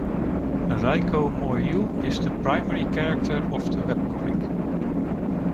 Reiko Mouryou is the primary character of the webcomic.